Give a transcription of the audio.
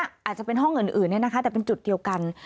อาจจะเป็นห้องอื่นเนี่ยนะคะแต่เป็นจุดเดียวกัน